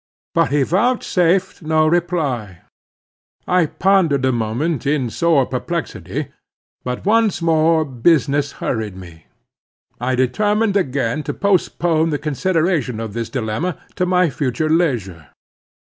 But he vouchsafed no reply. I pondered a moment in sore perplexity. But once more business hurried me. I determined again to postpone the consideration of this dilemma to my future leisure.